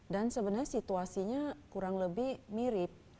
dan sebenarnya situasinya kurang lebih mirip